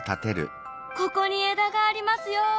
ここに枝がありますよ。